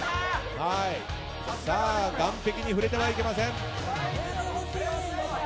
岸壁に触れてはいけません。